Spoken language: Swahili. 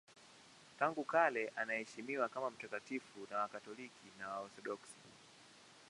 Tangu kale anaheshimiwa kama mtakatifu na Wakatoliki na Waorthodoksi.